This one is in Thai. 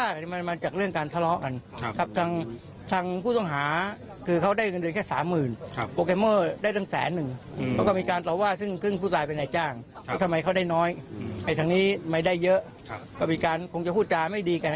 ซึ่งทางด้านพลตรวจโทษจิตติก็เปิดเผยด้วยนะคะว่า